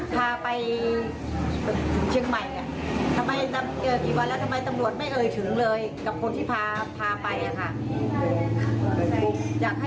เพราะที่บ้านมีความโปรดแค้นมากเลยค่ะ